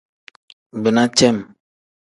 Bina cem.